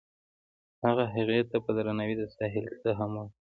هغه هغې ته په درناوي د ساحل کیسه هم وکړه.